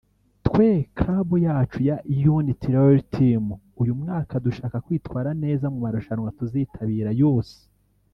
“Twe Club yacu ya Unity Rally Team uyu mwaka dushaka kwitwara neza mu marushanwa tuzitabira yose”